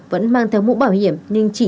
vẫn mang theo mũ bảo hiểm nhưng chỉ